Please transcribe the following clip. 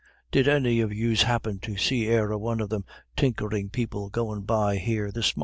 Did any of yous happen to see e'er a one of them tinkerin' people goin' by here this mornin'?"